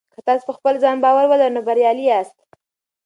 که تاسي په خپل ځان باور ولرئ نو بریالي یاست.